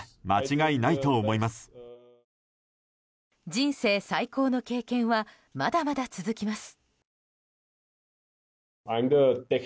人生最高の経験はまだまだ続きます。